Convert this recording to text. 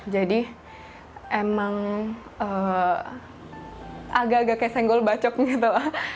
jadi emang agak agak kayak senggol bacok gitu